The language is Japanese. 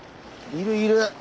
いるいる！